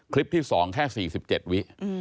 คลิปที่๒แค่๔๗วิ